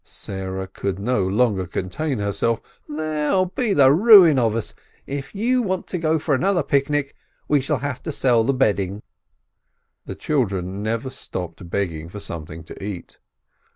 Sarah could no longer contain her self. "They'll be the ruin of us! If you want to go for another picnic, we shall have to sell the bedding." The children never stopped begging for something to eat.